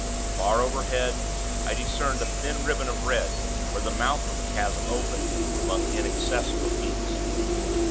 Far overhead, I discerned a thin ribbon of red, where the mouth of the chasm opened, among inaccessible peaks.